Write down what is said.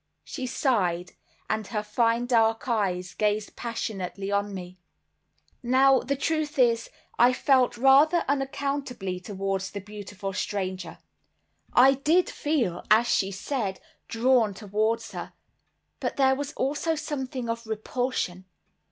She sighed, and her fine dark eyes gazed passionately on me. Now the truth is, I felt rather unaccountably towards the beautiful stranger. I did feel, as she said, "drawn towards her," but there was also something of repulsion.